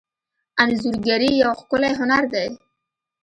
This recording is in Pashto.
انځورګري یو ښکلی هنر دی.